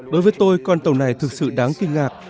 đối với tôi con tàu này thực sự đáng kinh ngạc